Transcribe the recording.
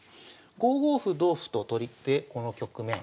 ５五歩同歩と取ってこの局面。